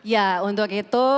ya untuk itu